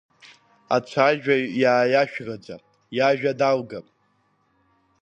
Ацәажәаҩ иааиашәраӡа иажәа далгап!